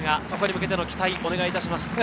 そこに向けての期待をお願いいたします。